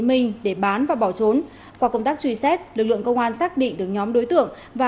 minh để bán và bỏ trốn qua công tác truy xét lực lượng công an xác định được nhóm đối tượng và